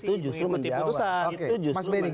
itu justru menjawab